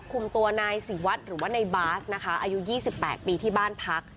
คุมตัวนายศิวัตรหรือว่าในบาสนะคะอายุ๒๘ปีที่บ้านพัก